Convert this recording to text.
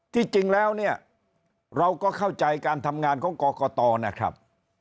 ที่จริงแล้วเนี่ยเราก็เข้าใจการทำงานของกรกตนะครับ